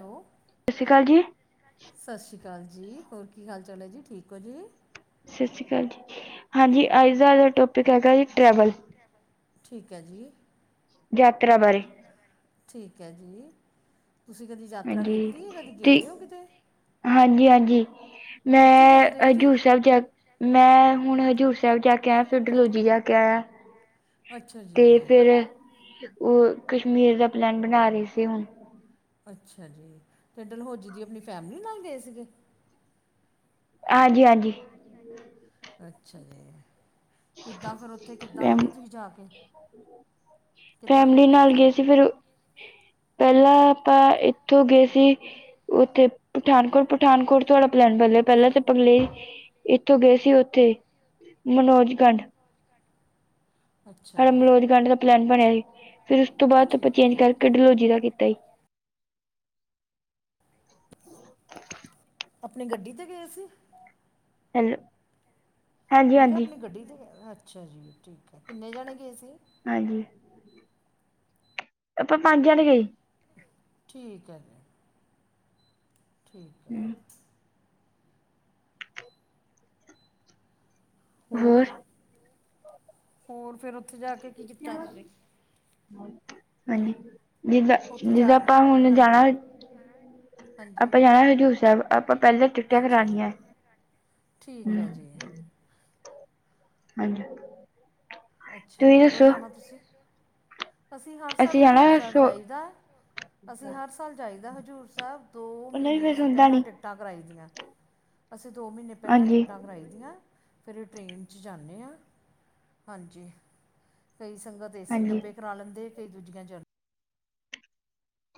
Hello. ਸਤਿ ਸ੍ਰੀ ਅਕਾਲ ਜੀ। ਸਤਿ ਸ਼੍ਰੀ ਅਕਾਲ ਜੀ ਹੋਰ ਕੀ ਹਾਲ ਚਾਲ ਹੈ ਜੀ ਠੀਕ ਹੋ ਜੀ। ਸਤਿ ਸ਼੍ਰੀ ਅਕਾਲ ਜੀ ਹਾਂਜੀ ਅੱਜ ਦਾ ਟੋਪਿਕ ਹੈਗਾ ਜੀ ਟਰੈਵਲ। ਠੀਕ ਹੈ ਜੀ। ਯਾਤਰਾ ਬਾਰੇ। ਠੀਕ ਹੈ ਜੀ, ਤੁਸੀਂ ਕਦੀ ਯਾਤਰਾ ਕੀਤੀ ਕਦੀ ਗਏ ਹੋ ਕਿਤੇ। ਹਾਂਜੀ ਹਾਂਜੀ ਕਿੱਥੇ ਮੈਂ ਜਾਂਦੇ ਹੋ ਜੀ ਹਜ਼ੂਰ ਸਾਹਿਬ ਜਾ ਮੈਂ ਹੁਣ ਹਜ਼ੂਰ ਸਾਹਿਬ ਜਾ ਕੇ ਆਇਆ ਫਿਰ ਡਲੋਜੀ ਜਾ ਕੇ ਆਇਆ। ਅੱਛਾ ਜੀ ਤੇ ਫਿਰ ਉਹ ਕਸ਼ਮੀਰ ਦਾ ਪਲੈਨ ਬਣਾ ਰਹੀ ਸੀ ਹੁਣ। ਅੱਛਾ ਜੀ ਡਲੋਜੀ ਆਪਣੀ ਫੈਮਿਲੀ ਨਾਲ ਗਏ ਸੀਗੇ। ਹਾਂਜੀ ਹਾਂਜੀ। ਅੱਛਾ ਜੀ। ਕਿੱਦਾਂ ਫਿਰ ਉੱਥੇ ਕਿੱਦਾਂ ਰਹੇ ਤੁਸੀਂ ਜਾ ਕੇ ਕਿੱਦਾਂ ਫੈਮਲੀ ਗਏ ਫਿਰ ਨਾਲ ਤੁਸੀਂ। ਸੀ ਫਿਰ ਪਹਿਲਾਂ ਆਪਾਂ ਇੱਥੋਂ ਗਏ ਸੀ। ਓ ਤੇ ਪਠਾਨਕੋਟ ਪਠਾਨਕੋਟ। ਤੁਹਾਡਾ ਪਲੈਨ ਬਦਲਿਆ ਪਹਿਲਾਂ ਤੇ ਪਲੇ ਇੱਥੋਂ ਗਏ ਸੀ ਉੱਥੇ ਮਨੋਜ ਗੰਡ। ਅੱਛਾ ਤੁਹਾਡਾ ਜੀ ਮਲੋਜ ਗੰਢ ਦਾ ਪਲੈਨ ਬਣਿਆ ਸੀ। ਫਿਰ ਉਸ ਤੋਂ ਬਾਅਦ ਆਪਾਂ ਠੀਕ ਚੇਂਜ ਹੈ ਕਰਕੇ ਡਲੋਜੀ ਦਾ ਕੀਤਾ। ਆਪਣੀ ਗੱਡੀ ਤੇ ਗਏ ਸੀ। [unintelligible] ਹਾਂਜੀ ਮੈਂ ਕਿਹਾ ਹਾਂਜੀ ਆਪਣੀ ਗੱਡੀ 'ਤੇ ਅੱਛਾ ਜੀ ਠੀਕ ਹੈ ਕਿੰਨੇ ਜਾਣੇ ਗਏ ਸੀ। ਹਾਂਜੀ। ਆਪਾਂ ਪੰਜ ਜਾਣੇ ਗਏ ਠੀਕ ਹੈ। ਠੀਕ ਹੈ। ਹੋਰ ਹੋਰ-ਹੋਰ ਫਿਰ ਉੱਥੇ ਜਾ ਕੇ ਕੀ ਕੀਤਾ ਤੁਸੀਂ। ਹਾਂਜੀ, ਉੱਥੇ ਜਾ ਜਿੱਦਾਂ-ਜਿੱਦਾਂ ਕੇ ਆਪਾਂ ਹੁਣ ਹਾਂਜੀ ਜਾਣਾ। ਆਪਾਂ ਹਾਂਜੀ ਜਾਣਾ ਹਜ਼ੂਰ ਸਾਹਿਬ, ਆਪਾਂ ਪਹਿਲਾਂ ਟਿਕਟਾਂ ਅੱਛਾ ਜੀ ਕਰਾਉਣੀਆਂ ਠੀਕ ਹੈ ਜੀ। ਹਾਂਜੀ। ਅੱਛਾ ਜੀ, ਤੁਸੀਂ ਕਦੋਂ ਦੱਸੋ ਜਾਣਾ ਤੁਸੀਂ। ਅਸੀਂ ਹਰ ਸਾਲ ਹਜ਼ੂਰ ਜਾਣਾ ਸਾਹਿਬ ਸੋ ਜਾਈਦਾ। ਅਸੀਂ ਹਰ ਸਾਲ ਜਾਈਦਾ ਹਜ਼ੂਰ ਸਾਹਿਬ। ਦੋ ਨਹੀਂ ਮਹੀਨੇ ਫਿਰ ਅਸੀਂ ਸੁਣਦਾ ਪਹਿਲਾਂ ਨੀ ਟਿਕਟਾਂ ਕਰਾਈ ਦੀਆਂ। ਅਸੀਂ ਦੋ ਮਹੀਨੇ ਪਹਿਲਾਂ ਹਾਂਜੀ ਟਿਕਟਾਂ ਕਰਾਈ ਦੀਆਂ ਫਿਰ ਅਸੀਂ ਟਰੇਨ 'ਚ ਜਾਂਦੇ ਹਾਂ। ਹਾਂਜੀ, ਕਈ ਸੰਗਤ ਏਸੀ ਹਾਂਜੀ ਡੱਬੇ ਕਰਾ ਲੈਂਦੇ। ਕਈ ਦੂਜੀਆਂ ਚ,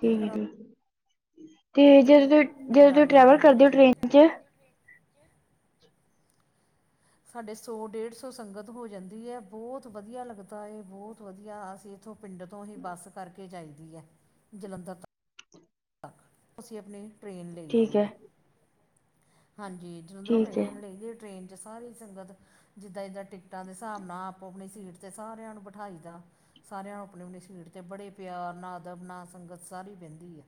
ਠੀਕ ਹੈ ਜੀ ਤੇ ਲੈਂਦੇ ਆ ਜਦੋਂ ਸਾਰੀ ਜਦੋਂ ਤੁਸੀਂ ਰਲ ਮਿਲ ਟਰੈਵਲ ਜਾਂਦੀ ਕਰਦੇ ਸਾਡੇ ਹੋ ਟ੍ਰੇਨ ਹੁੰਦੀ ਹੈ ਚ ਸਾਡੇ ਸੌ ਡੇਢ ਸੌ ਸੰਗਤ ਹੋ ਜਾਂਦੀ ਹੈ। ਬਹੁਤ ਵਧੀਆ ਲੱਗਦਾ ਬਹੁਤ ਵਧੀਆ ਅਸੀਂ ਉਹ ਪਿੰਡ ਤੋਂ ਹੀ ਬੱਸ ਕਰਕੇ ਜਾਈ ਦੀ ਹੈ ਜਲੰਧਰ ਤੱਕ। ਤੱਕ ਅਸੀਂ ਆਪਣੇ ਟ੍ਰਰੇਨ ਲੇਜੀ ਹੈ। ਹਾਂਜੀ, ਜਲੰਧਰ ਤੋਂ ਠੀਕ ਹੈ ਟ੍ਰੇਨ ਲਈ ਦੀ ਟ੍ਰੇਨ। ਸਾਰੀ ਸੰਗਤ ਜਿੱਦਾਂ-ਜਿੱਦਾਂ ਟਿਕਟਾਂ ਦੇ ਹਿਸਾਬ ਨਾਲ ਆਪੋ ਆਪਣੀ ਸੀਟ ਤੇ ਸਾਰਿਆਂ ਨੂੰ ਬਿਠਾਈ ਦਾ। ਸਾਰਿਆਂ ਨੂੰ ਆਪਣੀ-ਆਪਣੀ ਸੀਟ ਤੇ ਬੜੇ ਪਿਆਰ ਨਾ ਅਦਬ ਨਾ ਸੰਗਤ ਸਾਰੀ ਬਹਿੰਦੀ ਹੈ।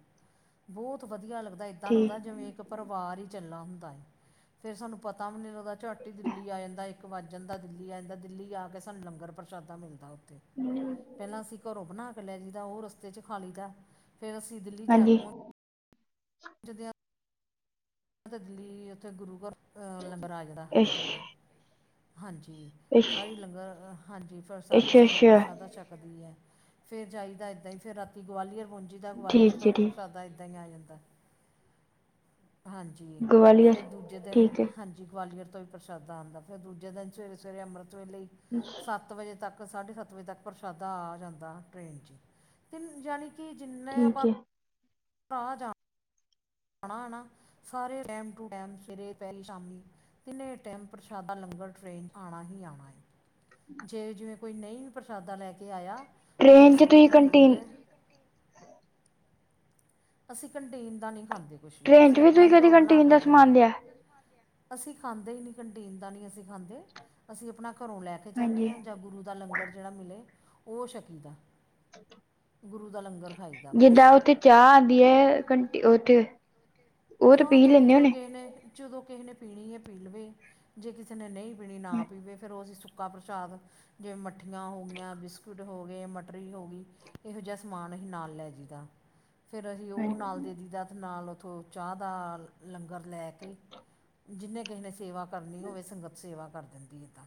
ਬਹੁਤ ਵਧੀਆ ਲੱਗਦਾ ਏਦਾਂ ਲੱਗਦਾ ਠੀਕ ਜਿਵੇਂ ਇੱਕ ਪਰਿਵਾਰ ਹੀ ਚੱਲਾ ਹੁੰਦਾ ਹੈ। ਫਿਰ ਸਾਨੂੰ ਪਤਾ ਵੀ ਨਹੀਂ ਲਗਦਾ ਝੱਟ ਦਿੱਲੀ ਆ ਜਾਂਦਾ। ਇੱਕ ਵੱਜ ਜਾਂਦਾ ਦਿੱਲੀ ਆ ਜਾਂਦਾ। ਦਿੱਲੀ ਆ ਕੇ ਸਾਨੂੰ ਲੰਗਰ ਪਰ ਪਰਸ਼ਾਦਾ ਮਿਲਦਾ ਉੱਥੇ। [unintelligible] ਪਹਿਲਾਂ ਅਸੀਂ ਘਰੋਂ ਬਣਾ ਕੇ ਲੈ ਜਈਦਾ। ਉਹ ਰਸਤੇ ਚ ਖਾਲੀ ਦਾ ਫਿਰ ਅਸੀਂ ਦਿੱਲੀ ਜਾ, ਹਾਂਜੀ ਪ ਪਹੁੰਚਦੇ ਦਿੱਲੀ ਉੱਥੇ ਗੁਰੂ ਘਰ ਤੋਂ ਲੰਗਰ ਆ ਜਾਂਦਾ ਇਸ਼ [unintelligible] ਹਾਂਜੀ, ਇਸ਼ ਸਾਰੀ ਲੰਗਰ ਹਾਂਜੀ ਸਾਰੀ ਅੱਛਾ ਸੰਗਤ ਅੱਛਾ ਪ੍ਰਸ਼ਾਦਾ ਛੱਕਦੀ ਹੈ। ਫਿਰ ਜਾਈਦਾ ਇੱਦਾਂ ਹੀ ਫਿਰ ਰਾਤੀ ਗਵਾਲੀਅਰ ਪਹੁੰਚੀਦਾ ਠੀਕ ਗਵਾਲੀਅਰ ਹੈ ਤੋਂ ਠੀਕ ਵੀ ਪ੍ਰਸ਼ਾਦਾ ਇੱਦਾਂ ਹੀ ਆ ਜਾਂਦਾ। ਹਾਂਜੀ ਗਵਾਲੀਅਰ ਫਿਰ ਦੂਜੇ ਦਿਨ ਠੀਕ ਹੈ ਹਾਂਜੀ ਗਵਾਲੀਅਰ ਤੋਂ ਵੀ ਪ੍ਰਸ਼ਾਦਾ ਆਉਂਦਾ ਪਿਆ ਦੂਜੇ ਦਿਨ ਸਵੇਰੇ ਸਵੇਰੇ ਅੰਮ੍ਰਿਤ ਵੇਲੇ ਸੱਤ ਵਜੇ ਤੱਕ ਸਾਢੇ ਸੱਤ ਵਜੇ ਤੱਕ ਪ੍ਰਸ਼ਾਦਾ ਆ ਜਾਂਦਾ ਟ੍ਰੇਨ ਚ, ਯਾਨੀ ਕਿ ਜਿੰਨੇ ਆਪਾਂ ਠੀਕ ਹੈ ਆਹ ਜਾ। ਨਾ ਨਾ ਸਾਰੇ ਟੈਮ ਟੂ ਟੈਮ ਸਵੇਰੇ, ਪਹਿਲੀ ਸ਼ਾਮੀ। ਤਿੰਨੇ ਟੈਮ ਪ੍ਰਸ਼ਾਦਾ ਲੰਗਰ ਚੋ ਆਣਾ ਹੀ ਆਣਾ ਜੇ ਜਿਵੇਂ ਕੋਈ ਨਹੀਂ ਪ੍ਰਸ਼ਾਦਾ ਲੈ ਕੇ ਆਇਆ। ਟ੍ਰੇਨ 'ਚ ਤੁਸੀਂ ਕੰਟੀਨ [unintelligible] ਅਸੀਂ ਕੰਟਿਨ ਦਾ ਨੀ, ਖਾਂਦੇ ਕੁਛ ਵੀ, ਟ੍ਰੇਨ 'ਚ ਅਸੀਂ ਆਪਣਾ ਤੁਸੀਂ ਹੀ ਕਦੀ ਘਰੋਂ ਬਣਾ ਕੰਟੀਨ ਕੇ ਲੈ ਦਾ ਜਾਂਦੇ ਸਮਾਨ ਹਾਂ। ਲਿਆ ਅਸੀਂ ਖਾਂਦੇ ਹੀ ਨਹੀਂ ਕੰਟੀਨ ਦਾ ਨਹੀਂ, ਅਸੀਂ ਖਾਂਦੇ ਅਸੀਂ ਆਪਣਾ ਘਰੋਂ ਲੈ ਕੇ, ਲੈਕੇ ਜਾਂਦੇ ਹਾਂਜੀ ਹਾਂ ਜਾਂ ਗੁਰੂ ਦਾ ਲੰਗਰ ਜਿਹੜਾ ਮਿਲੇ ਉਹ ਸ਼ਕੀ ਦਾ। ਗੁਰੂ ਦਾ ਲੰਗਰ ਖਾਈਦਾ ਬਸ ਜਿੱਦਾਂ ਉੱਥੇ ਚਾਹ ਆਉਂਦੀ ਹੈ। ਘਟੀ ਉੱਥੇ [unintelligible] ਉਹ ਤਾਂ ਪੀ ਲੈਂਦੇ ਹੋਣੇ ਚਲੋ ਕਿਸੇ ਨੇ ਪੀਣੀ ਹੈ ਪੀ ਲਵੇ ਜੇ ਕਿਸੇ ਨੇ ਨਹੀਂ ਪੀਣੀ ਨਾ ਹਾਂ, ਪੀਵੇ, ਫਿਰ ਉਹ ਅਸੀਂ ਸੁ ਸੁੱਕਾ ਪ੍ਰਸ਼ਾਦ, ਜਿਵੇਂ ਮੱਠੀਆਂ ਹੋ ਗਈਆਂ। ਬਿਸਕੁਟ ਹੋ ਗਏ, ਮਟਰੀ ਹੋ ਗਈ। ਇਹੋ ਜਿਹਾ ਸਮਾਨ ਅਸੀਂ ਨਾਲ ਲੈ ਜਦਾ ਫੇਰ ਅਸੀਂ ਉਹ ਹਾਂਜੀ ਨਾਲ ਦੇ ਦੇਈ ਦਾ ਤੇ ਨਾਲ ਉੱਥੋਂ, ਚਾਹ ਦਾ ਲੰਗਰ ਲੈ, ਕੇ ਜਿੰਨੇ ਕਿਸੇ ਨੇ ਸੇਵਾ ਕਰਨੀ ਹੋਵੇ, ਸੰਗਤ ਸੇਵਾ ਕਰ ਦਿੰਦੀ ਹੈ। ਤਾਂ,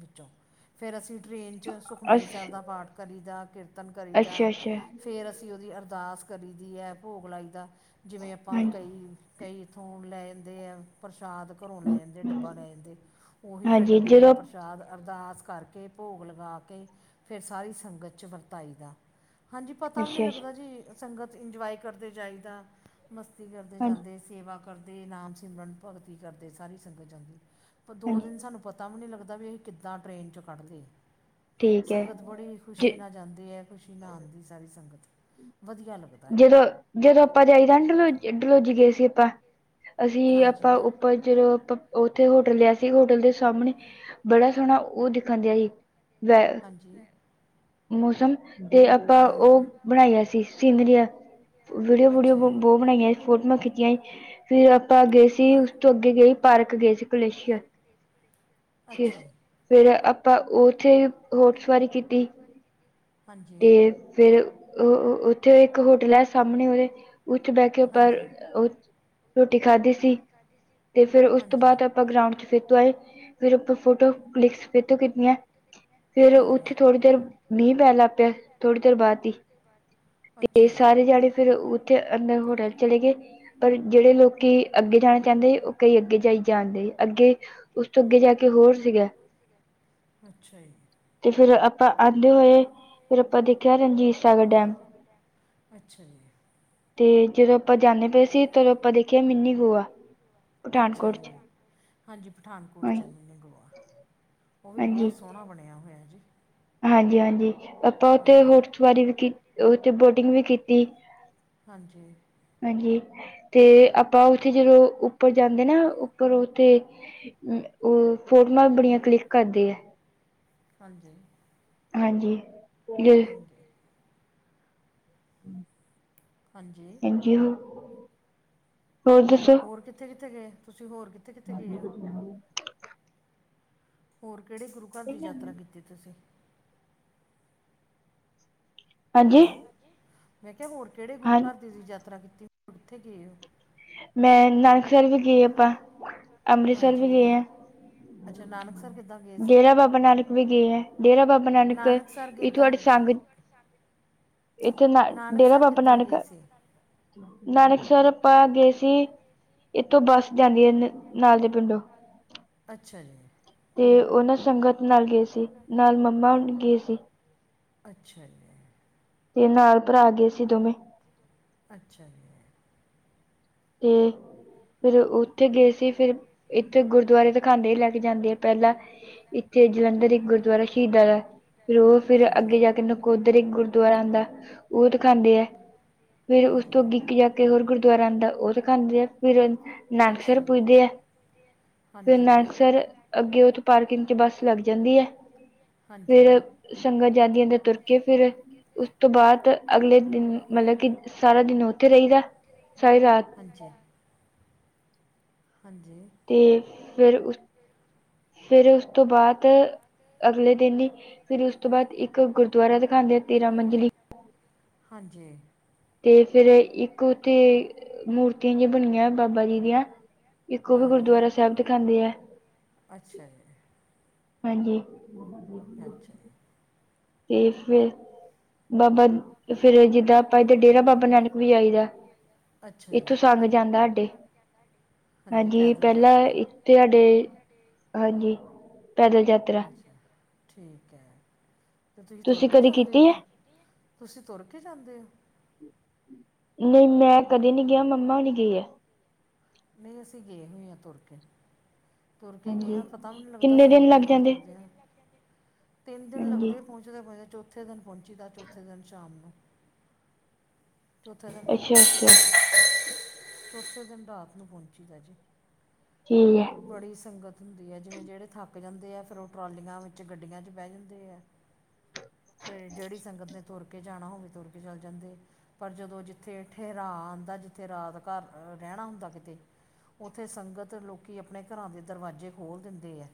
ਵਿੱਚੋਂ ਫਿਰ ਅਸੀਂ ਟਰੇਨ 'ਚ ਸੁਖਮਨੀ ਅਸ ਸਾਹਿਬ ਦਾ ਪਾਠ ਕਰੀਦਾ, ਕੀਰਤਨ ਅੱਛਾ ਕਰੀਦਾ, ਅੱਛਾ ਫਿਰ ਅਸੀਂ ਉਹਦੀ ਅਰਦਾਸ ਕਰੀ ਦੀ ਹੈ। ਭੋਗ ਲਾਈ ਦਾ, ਜਿਵੇਂ ਆਪਾਂ ਹਾਂਜੀ ਕਈ [unintelligible] ਲੈ ਜਾਂਦੇ ਆ, ਪ੍ਰਸ਼ਾਦ ਘਰੋਂ ਲੈ ਹਮ, ਜਾਂਦੇ ਹਮ, ਡੱਬਾ ਲੈ ਜਾਂਦੇ, ਉਹੀ ਫਿਰ ਹਾਂਜੀ ਡੱਬੇ ਵਾਲਾ ਜਦੋਂ ਪ੍ਰਸਾਦ ਪ੍ਰਸਾਦ ਅਰਦਾਸ ਕਰਕੇ ਭੋਗ ਲਗਾ, ਕੇ ਫਿਰ ਸਾਰੀ ਸੰਗਤ 'ਚ ਵਰਤਾਈ ਦਾ। ਹਾਂਜੀ, ਪਤਾ ਵੀ ਨਹੀਂ ਅੱਛਾ ਅੱਛਾ ਲੱਗਦਾ, ਜੀ ਸੰਗਤ ਇੰਜੋਏ ਕਰਦੇ ਜਾਈਦਾ। ਭਰਤੀ ਕਰਦੇ ਹਾਂਜੀ ਜਾਂਦੇ, ਸੇਵਾ ਕਰਦੇ, ਨਾਮ ਸਿਮਰਨ, ਭਗਤੀ ਕਰਦੇ ਸਾਰੀ ਸੰਗਤ ਜਾਂਦੀ। ਉਹ ਦੋ ਹਾਂਜੀ ਦਿਨ ਸਾਨੂੰ ਪਤਾ ਵੀ ਨਹੀਂ ਲੱਗਦਾ ਵੀ ਅਸੀਂ ਕਿੱਦਾਂ ਟਰੇਨ 'ਚੋਂ ਕੱਢਦੇ ਹਾ। ਠੀਕ ਹੈ ਸੰਗਤ ਬੜੀ ਜ ਖ਼ੁਸ਼ੀ ਨਾਲ ਜਾਂਦੀ ਹੈ। ਖ਼ੁਸ਼ੀ ਨਾ ਆਉਂਦੀ, ਸਾਰੀ ਸੰਗਤ ਵਧੀਆ ਲੱਗਦਾ। ਜਦੋਂ, ਜਦੋਂ ਆਪਾਂ ਜਾਈਦਾ ਡੋ ਡਲੋਜੀ ਗਏ ਸੀ। ਆਪਾਂ ਅਸੀਂ ਹਾਂਜੀ ਆਪਾਂ ਪਰ ਜਦੋਂ ਆਪਾਂ, ਉੱਥੇ ਹੋਟਲ ਲਿਆ ਸੀ। ਹੋਟਲ ਦੇ ਸਾਹਮਣੇ ਬੜਾ ਸੀ [unintelligible] ਹਾਂਜੀ, ਮੌਸਮ ਤੇ ਆਪਾਂ, ਉਹ ਹਾਂਜੀ। ਬਣਾਈਆ ਸੀ। ਸੀਨਰੀਆਂ ਵੀਡੀਓ ਵਡੀਓ ਅੱਛਾ ਜੀ। ਬਹੁਤ ਬਣਾਈਆਂ। ਫੋਟੋਆਂ ਖਿੱਚੀਆਂ ਸੀ। ਫਿਰ, ਆਪਾਂ ਅੱਗੇ ਹਾਂ। ਇਸ ਤੋਂ ਅੱਗੇ ਗਏ, ਪਾਰਕ ਗਏ ਸੀ ਅੱਛਾ [unintelligible] ਜੀ, ਫਿਰ, ਆਪਾਂ ਉੱਥੇ ਘੋਰ ਸਵਾਰੀ ਕੀਤੀ। ਹਾਂਜੀ। ਤੇ ਫਿਰ, ਉੱਥੇ ਇੱਕ ਹੋਟਲ ਹੈ। ਸਾਹਮਣੇ, ਉਹਦੇ ਉੱਥੇ ਬਹਿ ਕੇ ਉਪਰ ਹਾਂਜੀ। ਉਹ ਰੋਟੀ ਖਾਧੀ ਸੀ। ਤੇ ਫਿਰ, ਉਸ ਤੋਂ ਬਾਅਦ ਆਪਾਂ ਗਰਾਊਂਡ ਚ ਫਿਰ ਤੋਂ ਆਏ, ਫਿਰ ਆਪਾਂ ਫੋਟੋ ਕਲਿਕਸ ਫਿਰ ਤੋਂ ਕੀਤੀਆਂ। ਫਿਰ ਹਾਂਜੀ। ਉੱਥੇ ਥੋੜੀ ਦੇਰ ਬਾਹਦ, ਮੀਂਹ ਪੈਣ ਲੱਗ ਪਿਆ, ਥੋੜ੍ਹੀ ਦੇਰ ਬਾਅਦ ਹੀ, ਹੀ। ਤੇ ਅੱਛਾ ਜੀ, ਸਾਰੇ ਜਾਣੇ, ਫਿਰ ਉੱਥੇ ਅੰਦਰ ਹੋਟਲ ਚਲੇ ਗਏ। ਪਰ ਜਿਹੜੇ ਲੋਕੀ ਅੱਗੇ ਜਾਣਾ ਚਾਹੁੰਦੇ। ਉਹ, ਕਈ ਅੱਗੇ ਜਾਈ ਜਾਂਦੇ ਅੱਗੇ ਉਸ, ਤੋਂ ਅੱਗੇ ਜਾ ਕੇ ਹੋਰ ਸੀਗਾ। ਅੱਛਾ ਜੀ, ਤੇ ਫਿਰ ਆਪਾਂ ਆਉਂਦੇ ਫਿਰ ਆਪਾਂ ਦੇਖਿਆ, ਰਣਜੀਤ ਸਾਗਰ ਡੈਮ ਅੱਛਾ ਜੀ ਤੇ ਜਦੋਂ ਆਪਾਂ ਜਾਂਦੇ ਪਏ ਸੀ। ਤਦੋਂ ਆਪਾਂ ਦੇਖਿਆ, ਮਿੰਨੀ ਗੋਆ ਅੱਛਾ ਪਠਾਨਕੋਟ, ਜੀ ਚ ਹਾਂਜੀ, ਪਠਾਨਕੋਟ ਹਾਂ ਚ ਹੈ ਮਿਨੀ ਗੋਆ, ਉਹ ਵੀ ਬਹੁਤ ਹਾਂਜੀ ਸੋਹਣਾ ਬਣਿਆ ਹੋਇਆ ਜੀ। ਹਾਂਜੀ-ਹਾਂਜੀ ਆਪਾਂ ਹਾਂ ਉੱਥੇ ਹੋਰ ਸਵਾਰੀ ਵੀ, ਉੱਥੇ ਬੋਟਿੰਗ ਵੀ ਕੀਤੀ, ਹਾਂਜੀ ਹਾਂਜੀ, ਤੇ ਆਪਾਂ ਉੱਥੇ ਜਦੋਂ ਉੱਪਰ ਜਾਂਦੇ ਨਾ ਉੱਪਰ ਉੱਥੇ ਓ, ਫੋਟੋਆਂ ਬੜੀਆਂ ਕਲਿੱਕ ਕਰਦੇ ਆ। ਹਾਂਜੀ। ਹਾਂਜੀ, ਜ ਅਤੇ ਹਾਂਜੀ। ਹਾਂਜੀ, ਹੋਰ ਦੱਸੋ? ਹੋਰ, ਕਿੱਥੇ-ਕਿੱਥੇ ਗਏ, ਤੁਸੀਂ ਹੋਰ ਕਿ ਹਾਂਜੀ। ਹੋਰ ਕੇੜੇ ਗੁਰੂ ਘਰ ਦੀ ਯਾਤਰਾ ਕੀਤੀ, ਤੁਸੀਂ ਹਾਂਜੀ ਹੈਲੋ, ਮੈਂ ਕਿਆ ਹੋਰ ਕੇੜੇ ਗੁਰੂ ਹਾਂ ਘਰ ਦੀ ਯਾਤਰਾ ਕੀਤੀ, ਕਿੱਥੇ ਗੇ ਓ ਮੈਂ ਨਾਨਕਸਰ ਵੀ ਗੇ ਆਪਾਂ, ਅੰਮ੍ਰਿਤਸਰ ਵੀ ਹਾਂਜੀ ਗੇ ਆ ਅੱਛਾ ਨਾਨਕਸਰ ਕਿੱਦਾਂ ਗਏ ਸੀ ਡੇਰਾ ਬਾਬਾ ਨਾਨਕ ਵੀ ਗੇ ਆ, ਡੇਰਾ ਬਾਬਾ ਨਾਨਕ ਨਾਨਕਸਰ ਕਿੱਦਾਂ ਇਥੋਂਡੇ ਗਏ ਸੀ? ਸੰਗ ਇੱਥੇ ਨਾ, ਡੇਰਾ ਨਾਨਕਸਰ ਬਾਬਾ ਕਿੱਦਾਂ ਨਾਨਕ ਗਏ ਸੀ? ਨਾਨਕਸਰ ਆਪਾ ਗੇ ਸੀ, ਇੱਥੋਂ ਬੱਸ ਜਾਂਦੀ ਐ ਨ-ਨਾਲ ਦੇ ਪਿੰਡੋਂ ਅੱਛਾ ਜੀ। ਤੇ ਓਹਨਾਂ ਸੰਗਤ ਨਾਲ ਗੇ ਸੀ, ਨਾਲ ਮੰਮਾ ਹੁਣੀ ਗੇ ਸੀ। ਅੱਛਾ ਜੀ। ਤੇ ਨਾਲ ਭਰਾ ਗਏ ਸੀ ਦੋਵੇਂ। ਅੱਛਾ ਜੀ। ਤੇ ਫੇਰ ਓਥੇ ਗਏ ਸੀ। ਫੇਰ ਇੱਥੇ ਗੁਰਦੁਆਰੇ ਦਿਖਾਦੇ ਹੀ ਲੈ ਕੇ ਜਾਂਦੇ ਆ ਪੈਲਾਂ। ਏਥੇ ਜਲੰਧਰ ਇੱਕ ਗੁਰਦੁਆਰਾ ਸ਼ਹੀਦਾਂ ਦਾ ਫੇਰ ਓ ਫੇਰ ਹਾਂਜੀ। ਅੱਗੇ ਜਾ ਕੇ ਨਕੋ- ਨਕੋਦਰ ਇੱਕ ਗੁਰਦੁਆਰਾ ਆਂਦਾ ਓ ਦਿਖਾਂਦੇ ਐ, ਫੇਰ ਓਸ ਤੋਂ ਹਾਂਜੀ। ਅੱਗੇ ਇੱਕ ਜਾ ਹੋਰ ਗੁਰਦੁਆਰਾ ਆਦਾ ਓ ਦਿਖਾਂਦੇ ਆ ਫੇਰ ਅੱਛਾ ਨਾਨਕਸਰ ਜੀ। ਪੁੱਜਦੇ ਐ। ਫੇਰ ਹਾਂਜੀ, ਨਾਨਕਸਰ ਅੱਗੇ ਓਥੋਂ ਪਾਰਕਿੰਗ ਚ ਬੱਸ ਲੱਗ ਜਾਂਦੀ ਐ। ਹਾਂਜੀ। ਫੇਰ ਸੰਗਤ ਜਾਂਦੀਆਂ ਦੇ ਤੁਰ ਕੇ ਫੇਰ ਓਸ ਤੋਂ ਬਾਦ ਅਗਲੇ ਦਿਨ ਮਤਲਬ ਕਿ ਸਾਰਾ ਦਿਨ ਓਥੇ ਰਈਦਾ, ਸਾਰੀ ਰਾਤ। ਹਾਂਜੀ। ਹਾਂਜੀ। ਤੇ ਫੇਰ ਓਸ ਫੇਰ ਓਸ ਤੋਂ ਬਾਦ ਅਗਲੇ ਦਿਨ ਈ ਫੇਰ ਓਸ ਤੋਂ ਬਾਦ ਇੱਕ ਗੁਰਦੁਆਰਾ ਦਿਖਾਦੇ ਆ ਤੇਰਾਂ ਮੰਜਲੀ। ਹਾਂਜੀ। ਤੇ ਫੇਰ ਇੱਕ ਓਥੇ ਮੂਰਤੀਆਂ ਜੀਆਂ ਬਣੀਆਂ ਬਾਬਾ ਜੀ ਦੀਆਂ। ਇੱਕ ਓ ਵੀ ਹਾਂਜੀ। ਗੁਰਦੁਆਰਾ ਸੈਬ ਦਿਖਾਂਦੇ ਐ। ਅੱਛਾ ਜੀ। ਹਾਂਜੀ। [inaudible] ਤੇ ਫੇਰ ਬਾਬਾ ਫੇਰ ਜਿੱਦਾਂ ਆਪਾਂ ਏਦਰ ਡੇਰਾ ਬਾਬਾ ਨਾਨਕ ਵੀ ਜਾਈ ਦਾ। ਅੱਛਾ ਜੀ। ਇੱਥੋਂ ਸੰਗ ਜਾਂਦਾ ਸਾਡੇ, ਹਾਂਜੀ ਪੈਦਲ ਪੈਲਾਂ ਯਾਤਰਾ ਤੇ ਸਾਡੇ ਹਾਂਜੀ ਪੈਦਲ ਯਾਤਰਾ। ਠੀਕ ਐ ਤੇ ਤੁਸੀਂ ਤੁਰ ਕੇ ਕਦੀ ਜਾਂਦੇ ਓ ਕੀਤੀ ਹੈ ਫਿਰ? ਤੁਸੀਂ ਤੁਰ ਕੇ ਜਾਂਦੇ ਹੋ? ਨਹੀਂ ਮੈਂ ਕਦੇ ਨਹੀਂ ਗਿਆ, ਮੰਮਾ ਨੀ ਗਈ ਹੈ। ਨਹੀਂ, ਅਸੀਂ ਗਏ ਹੋਏ ਹਾਂ ਤੁਰ ਕੇ। ਤੁਰ ਕੇ ਗਏ ਹਾਂਜੀ ਹਾਂ, ਪਤਾ ਵੀ ਨਹੀਂ ਲੱਗਦਾ ਕਿੰਨੇ ਦਿਨ ਸੰਗਤ ਦੇ ਲੱਗ ਨਾਲ ਜਾਂਦੇ ਤੁਰਦੇ ਹੈ। ਤਿੰਨ ਦਿਨ ਹਾਂਜੀ ਲੱਗਦੇ ਪਹੁੰਚਦੇ-ਪਹਚਦੇ, ਚੌਥੇ ਦਿਨ ਪਹੁੰਚੀ ਤਾਂ, ਚੌਥੇ ਦਿਨ ਸ਼ਾਮ ਨੂੰ ਚੌਥਾ ਦਿਨ ਅੱਛਾ ਅੱਛਾ ਚੌਥੇ ਦਿਨ, ਰਾਤ ਨੂੰ ਪਹੁੰਚੀ ਦਾ ਜੀ। ਠੀਕ ਹੈ ਜੀ ਬੜੀ ਸੰਗਤ ਹੁੰਦੀ ਹੈ ਜਿਵੇਂ ਜਿਹੜੇ ਥੱਕ ਜਾਂਦੇ ਆ, ਫੇਿਰ ਉਹ ਟਰਾਲੀਆਂ ਵਿੱਚ, ਗੱਡੀਆਂ 'ਚ ਬਹਿ ਜਾਂਦੇ ਹੈ। ਤੇ ਜਿਹੜੀ ਸੰਗਤ ਨੇ ਤੁਰ ਕੇ ਜਾਣਾ, ਉਹਵੇ ਤੁਰ ਕੇ ਚੱਲ ਜਾਂਦੇ। ਪਰ ਜਦੋਂ ਜਿੱਥੇਠੇਰਾ ਆਉਂਦਾ, ਜਿੱਥੇ ਰਾਤ ਘਰ ਰਹਿਣਾ ਹੁੰਦਾ ਕਿਤੇ ਉੱਥੇ ਸੰਗਤ ਲੋਕ ਕਿ, ਆਪਣੇ ਘਰਾਂ ਦੇ ਦਰਵਾਜ਼ੇ ਖੋਲ੍ਹ ਦਿੰਦੇ ਹੈ।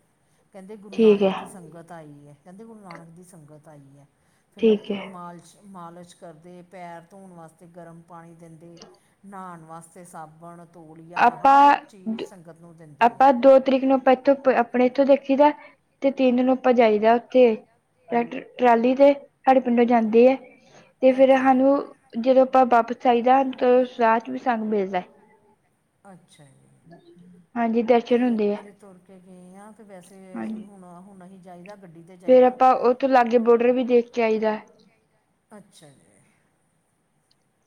ਕਹਿੰਦੇ ਗੁਰੂ ਠੀਕ ਹੈ ਨਾਨਕ ਦੀ ਸੰਗਤ ਆਈ ਹੈ। ਕਹਿੰਦੇ, ਗੁਰੂ ਨਾਨਕ ਦੀ ਸੰਗਤ ਆਈ ਹੈ। ਫਿਰ ਲੋਕ ਠੀਕ ਹੈ ਮਾਲ 'ਚ ਮਾਲਸ਼ ਕਰਦੇ, ਪੈਰ ਧੋਣ ਵਾਸਤੇ ਗਰਮ ਪਾਣੀ ਦਿੰਦੇ। ਨਹਾਣ ਵਾਸਤੇ ਸਾਬਣ, ਤੋਲੀਆ, ਹਰ ਇੱਕ ਚੀਜ਼ ਸੰਗਤ ਨੂੰ ਦਿੰਦੇ ਹੈ ਅਪਦ ਦੋ ਤਰੀਕ ਨੂੰ ਆਪਾਂ ਇੱਥੋਂ, ਆਪਣੇ ਇੱਥੋਂ ਦੇਖੀ ਦਾ, ਤੇ ਤਿੰਨ ਦਿ ਨੂੰ ਆਪਾਂ ਜਾਈਦਾ ਉੱਥੇ। ਟੈਕਟਰ-ਟਰਾਲੀ ਤੇ, ਸਾਡੇ ਪਿੰਡੋਂ ਜਾਂਦੇ ਹੈ। ਤੇ ਫੇਰ ਅੱਛਾ ਜੀ। ਸਾਨੂੰ, ਜਦੋਂ ਆਪਾਂ ਵਾਪਸ ਆਈਦਾ ਰਾਹ 'ਚ ਵੀ ਪ੍ਰਸਾਦ ਮਿਲਦਾ। ਅੱਛਾ ਜੀ। ਹਾਂਜੀ। ਦਰਸ਼ਨ ਅਸੀਂ ਇਕ ਹੁੰਦੇ ਆ ਵਾਰੀ ਤੁਰ ਕੇ ਗਏ ਹਾਂ, ਤੇ ਵੈਸੇ ਅਸੀ ਹਾਂਜੀ ਹੁਣ-ਹੁਣ ਅਸੀ ਜਾਈਦਾ ਗੱਡੀ ਤੇ ਫੇਰ ਜਾਹੀਦਾ, ਆਪਾਂ ਉੱਥੋਂ ਲਾਗੇ ਬੋਡਰ ਵੀ ਦੇਖ ਕੇ ਆਈਦਾ ਅਛਾ ਜੀ।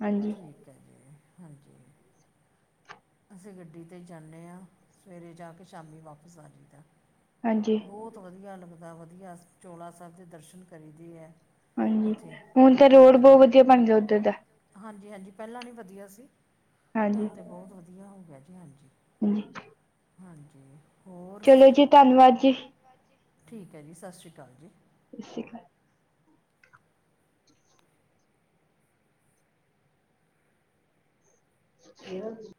ਹਾਂਜੀ- ਠੀਕ ਹੈ ਜੀ, ਹਾਂਜੀ। ਅਸੀ ਗੱਡੀ 'ਤੇ ਜਾਦੇ ਹਾਂ। ਸਵੇਰੇ ਜਾ ਕੇ, ਸ਼ਾਮੀ ਵਾਪਸ ਆ ਜਈਦਾ। ਹਾਂਜੀ ਬਹੁਤ ਵਧੀਆ ਲਗਦਾ, ਵਧੀਆ ਚੋਲਾ ਸਾਹਿਬ ਦੇ ਦਰਸ਼ਨ ਕਰੀਦੇ ਹੈ। ਹਾਂਜੀ, ਹੁਣ ਤਾਂ ਰੋਡ ਬਹੁਤ ਹਾਂਜੀ। ਵਧੀਆ ਬਣ ਗਿਆ ਉਧਰ ਦਾ। ਹਾਂਜੀ- ਹਾਂਜੀ, ਪਹਿਲਾ ਨਹੀ ਵਧੀਆ ਸੀ। ਹਾਂਜੀ ਹੁਣ ਤਾਂ ਬਹੁਤ ਵਧੀਆ ਹੋ ਗਿਆ ਜੀ, ਹਾਂਜੀ। [unintelligible] ਹਾਂਜੀ ਹੋਰ, ਚਲੋ ਜੀ ਧੰਨਵਾਦ ਜੀ ਸਤਿ ਧੰਵਾਦ ਠੀਕ ਹੈ ਜੀ, ਸਤਿ ਸ਼੍ਰੀ ਅਕਾਲ ਜੀ। ਠੀਕ ਹੈ। ਕਿ [unintelligible]